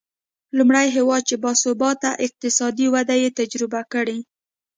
لومړی هېواد چې با ثباته اقتصادي وده یې تجربه کړې.